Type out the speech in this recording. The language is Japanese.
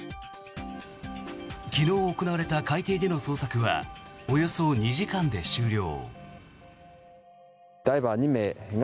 昨日行われた海底での捜索はおよそ２時間で終了。